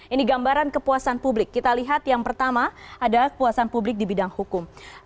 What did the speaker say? ini gambaran kepuasan publik kita lihat yang pertama ada kepuasan publik di bidang hukum